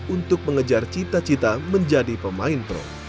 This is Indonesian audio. untuk mengejar cita cita menjadi pemain pro